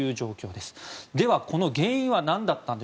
では、この原因は何だったのか。